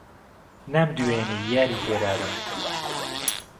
نامدوێنێ یاری پێرارم